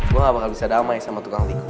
gue gak bakal bisa damai sama tukang tiku